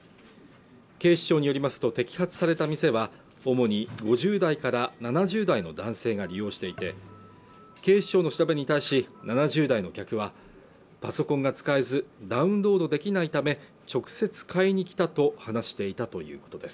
警視庁によりますと摘発された店は主に５０代から７０代の男性が利用していて警視庁の調べに対し７０代の客はパソコンが使えずダウンロードできないため直接買いに来たと話していたということです